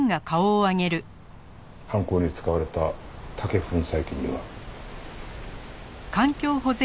犯行に使われた竹粉砕機には。